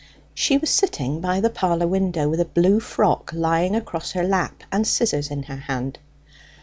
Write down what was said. She was sitting by the parlour window, with a blue frock lying across her lap and scissors in her hand.